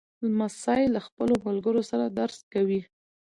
لمسی له خپلو ملګرو سره درس کوي.